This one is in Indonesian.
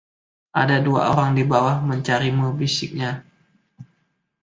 "Ada dua orang di bawah mencarimu," bisiknya.